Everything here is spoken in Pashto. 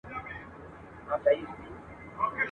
که نن هرڅه بې آزاره در ښکاریږي ..